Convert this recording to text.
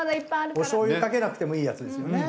お醤油かけなくてもいいやつですよね。